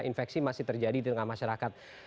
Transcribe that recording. infeksi masih terjadi di tengah masyarakat